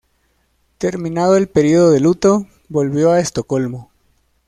Terminado el periodo de luto, volvió a Estocolmo.